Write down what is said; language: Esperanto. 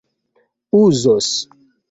uzos